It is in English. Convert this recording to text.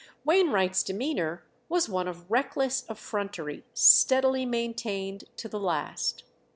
Wainwright's demeanour was one of reckless effrontery steadily maintained to the last.